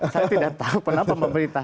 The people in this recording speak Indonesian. saya tidak tahu kenapa pemerintah